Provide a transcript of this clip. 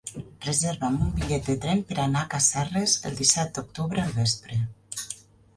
Reserva'm un bitllet de tren per anar a Casserres el disset d'octubre al vespre.